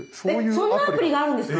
そんなアプリがあるんですか？